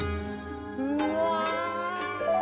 うわ！